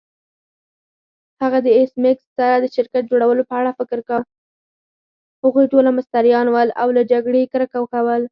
هغوی ټوله مستریان ول، او له جګړې يې کرکه کول.